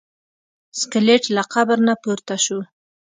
سکلیټ له قبر نه پورته شو.